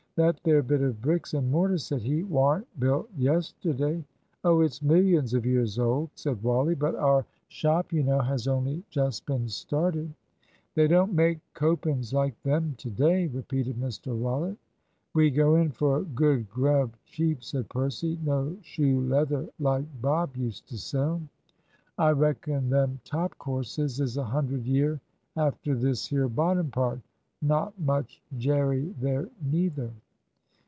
"That there bit of bricks and mortar," said he, "warn't built yesterday." "Oh, it's millions of years old," said Wally; "but our shop, you know, has only just been started." "They don't make copin's like them to day," repeated Mr Rollitt. "We go in for good grub cheap," said Percy; "no shoe leather, like Bob used to sell." "I reckon them top courses is a hundred year after this here bottom part. Not much jerry there neither."